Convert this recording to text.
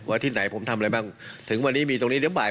ที่ไหนผมทำอะไรบ้างถึงวันนี้มีตรงนี้เดี๋ยวบ่าย